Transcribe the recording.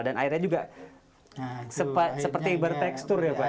dan airnya juga seperti bertekstur ya pak